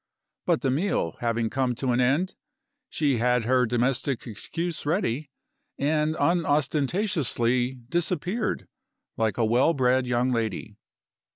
But the meal having come to an end, she had her domestic excuse ready, and unostentatiously disappeared like a well bred young lady.